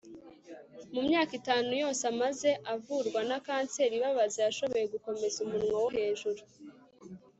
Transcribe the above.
Mu myaka itanu yose amaze avurwa na kanseri ibabaza yashoboye gukomeza umunwa wo hejuru